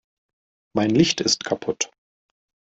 Mein Licht ist kaputt.